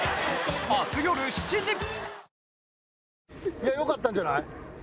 いや良かったんじゃない？